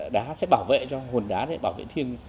đá sẽ bảo vệ cho hồn đá sẽ bảo vệ thiêng